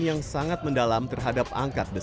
yang sangat mendalam terhadap angkat besi